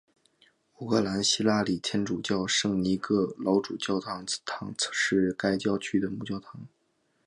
乌克兰希腊礼天主教圣尼各老主教座堂是该教区的母教堂。